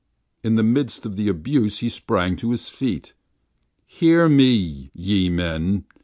In the midst of the abuse he sprang to his feet. "Hear me, ye men!"